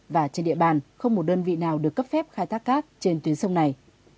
và trên địa bàn không một đơn vị nào được cấp phép khai thác cát trên tuyến sông này